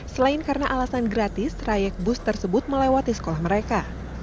selain karena alasan gratis trayek bus tersebut melewati sekolah mereka